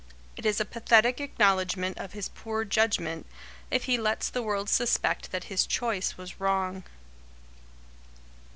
It is a pathetic acknowledgment of his poor judgment, if he lets the world suspect that his choice was wrong.